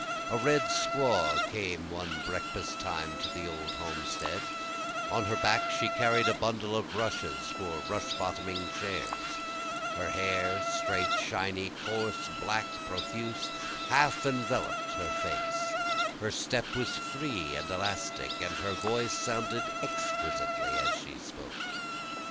A red squaw came one breakfast time to the old homestead, On her back she carried a bundle of rushes for rush bottoming chairs, Her hair, straight, shiny, coarse, black, profuse, half envelop'd her face, Her step was free and elastic, and her voice sounded exquisitely as she spoke.